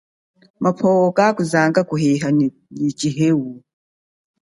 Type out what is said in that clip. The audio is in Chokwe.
Mapwo kazanga kuheha nyi tshiheu.